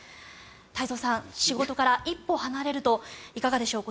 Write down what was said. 太蔵さん、仕事から一歩離れるといかがでしょう。